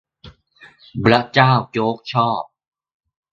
บร๊ะเจ้าโจ๊กชอบ